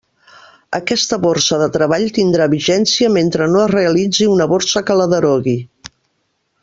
Aquesta borsa de treball tindrà vigència mentre no es realitzi una borsa que la derogui.